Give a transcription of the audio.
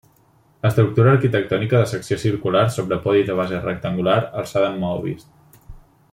Estructura arquitectònica de secció circular sobre podi de base rectangular, alçada amb maó vist.